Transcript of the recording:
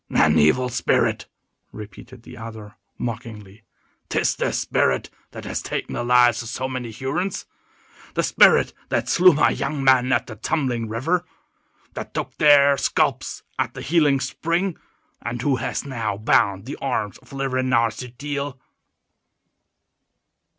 "An evil spirit!" repeated the other, mockingly; "'tis the spirit that has taken the lives of so many Hurons; the spirit that slew my young men at 'the tumbling river'; that took their scalps at the 'healing spring'; and who has, now, bound the arms of Le Renard Subtil!"